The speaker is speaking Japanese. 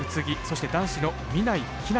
そして男子の南井日向。